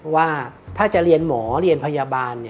ว่าถ้าจะเรียนหมอเรียนพยาบาล